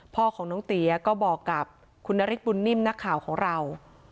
พ่อของน้องเตี๋ยก็บอกกับคุณนฤทธบุญนิ่มนักข่าวของเรา